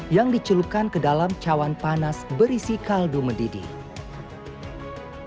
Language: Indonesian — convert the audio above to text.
yang dicelupkan ke dalam cawan panas berisi kaldu mendidih